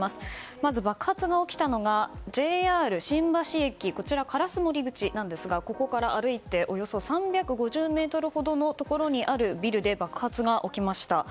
まず爆発が起きたのがＪＲ新橋駅烏森口から歩いておよそ３５０ｍのところにあるビルで爆発が起きました。